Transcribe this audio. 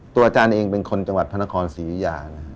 ตัวอาจารย์เองเป็นคนจังหวัดพนครศรียุยานะครับ